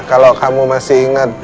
kalau kamu masih ingat